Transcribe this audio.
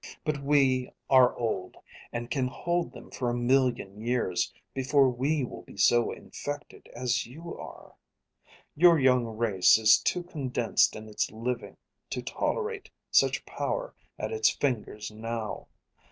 But we are old, and can hold them for a million years before we will be so infected as you are. Your young race is too condensed in its living to tolerate such power at its fingers now.